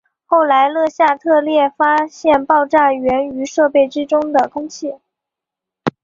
后来勒夏特列发现爆炸缘于设备之中的空气。